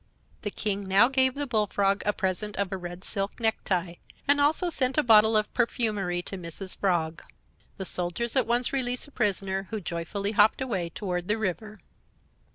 The King now gave the Bullfrog a present of a red silk necktie, and also sent a bottle of perfumery to Mrs. Frog. The soldiers at once released the prisoner, who joyfully hopped away toward the river.